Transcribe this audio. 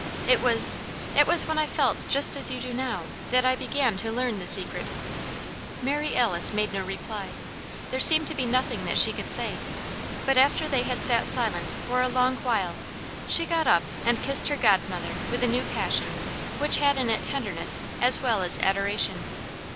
"It was it was when I felt just as you do now, that I began to learn the Secret." Mary Alice made no reply; there seemed to be nothing that she could say But after they had sat silent for a long while, she got up and kissed her godmother with a new passion which had in it tenderness as well as adoration.